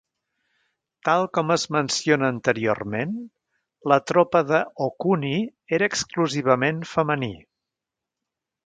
Tal com es menciona anteriorment, la tropa de Okuni era exclusivament femení.